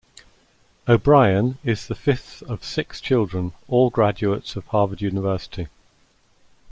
O'Brien is the fifth of six children, all graduates of Harvard University.